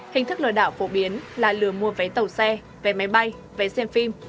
hình thức lừa đảo phổ biến là lừa mua vé tàu xe vé máy bay vé xem phim